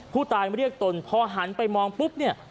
ผู้ตายมาเรียกตนพอหันไปมองปุ๊บเนี่ย